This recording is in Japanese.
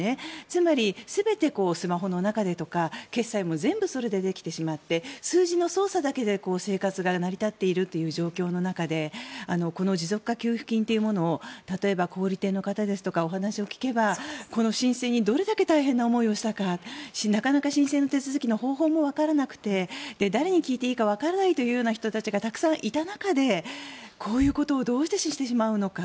つまり全てスマホの中でとか決済も全部できてしまって数字の操作だけで生活が成り立っているという状況の中でこの持続化給付金っていうものを例えば小売店の方ですとかにお話を聞けばこの申請にどれだけ大変な思いをしたかなかなか申請の手続きの方法もわからなくて誰に聞いていいかわからないという人たちがたくさんいた中でこういうことをどうして信じてしまうのか。